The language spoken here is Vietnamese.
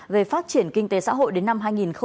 về phát triển kinh tế xã hội đến năm hai nghìn hai mươi